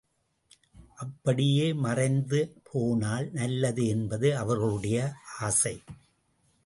அப்படியே மறைந்த போனால் நல்லது என்பது அவர்களுடைய ஆசை.